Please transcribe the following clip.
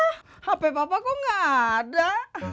hape papa kok nggak ada